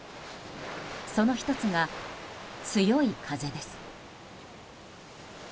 その１つが強い風です。